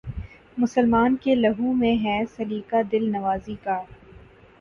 مسلماں کے لہو میں ہے سلیقہ دل نوازی کا